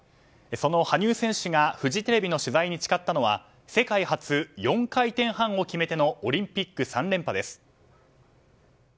その羽生選手がフジテレビの取材に誓ったのは世界初４回転半を決めてのオリンピック３連覇です。